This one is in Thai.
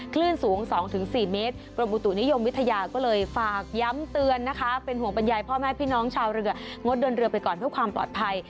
คลื่นสูง๒๔เมตรกรมอุตุนิยมวิทยาก็เลยฝากย้ำเตือนนะคะเป็นห่วงบรรยายพ่อแม่พี่น้องชาวเรืองดเดินเรือไปก่อนเพื่อความปลอดภัย